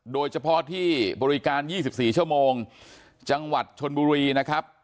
โดยเฉพาะที่บริการ๒๔ชั่วโมงจังหวัดชนบุรีนะครับ